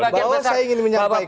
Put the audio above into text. bahwa saya ingin menyampaikan